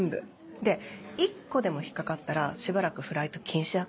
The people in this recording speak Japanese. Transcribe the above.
で１個でも引っかかったらしばらくフライト禁止だからね。